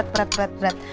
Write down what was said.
berat berat berat